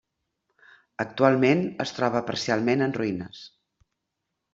Actualment es troba parcialment en ruïnes.